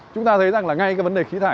chúng ta thấy rằng là ngay cái vấn đề khí thải